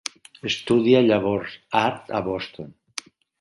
Estudia llavors art a Boston.